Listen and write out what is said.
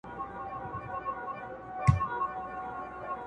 او یا مبارکي ورکوې